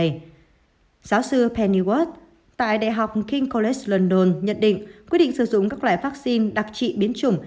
giáo sư pennyworth tại đại học king college london nhận định quyết định sử dụng các loại vắc xin đặc trị biến chủng